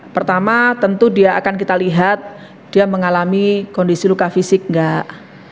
pertama tentu dia akan kita lihat dia mengalami kondisi luka fisik enggak